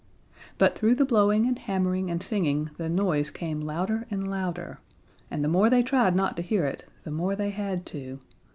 But through the blowing and hammering and singing the noise came louder and louder, and the more they tried not to hear it, the more they had to.